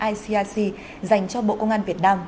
icic dành cho bộ công an việt nam